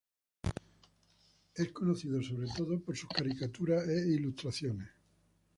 Es conocido sobre todo por sus caricaturas e ilustraciones.